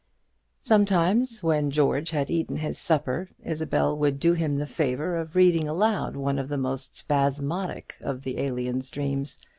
Sometimes, when George had eaten his supper, Isabel would do him the favour of reading aloud one of the most spasmodic of the Alien's dreams.